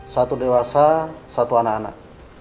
satu dewasa satu anak anak